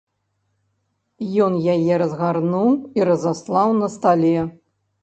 Ён яе разгарнуў і разаслаў на стале.